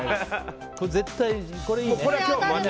絶対、これでいいね。